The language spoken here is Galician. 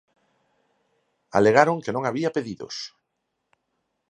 Alegaron que non había pedidos.